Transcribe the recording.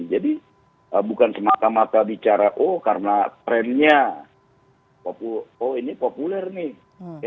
jadi bukan semata mata bicara oh karena trennya oh ini populer nih